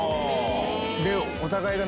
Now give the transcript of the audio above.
でお互いが。